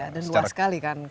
dan luas sekali kan